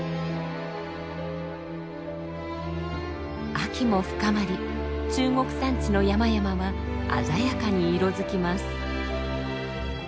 秋も深まり中国山地の山々は鮮やかに色づきます。